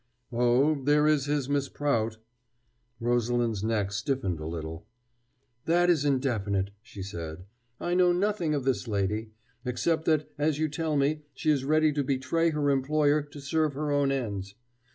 "Oh, there is his Miss Prout." Rosalind's neck stiffened a little. "That is indefinite," she said. "I know nothing of this lady, except that, as you tell me, she is ready to betray her employer to serve her own ends.